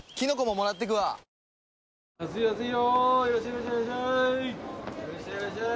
いらっしゃいいらっしゃい。